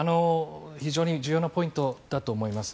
非常に重要なポイントだと思います。